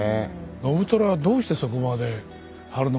信虎はどうしてそこまで晴信のことを。